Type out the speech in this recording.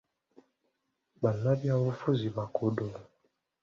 Bannabyabufuzi bakodo.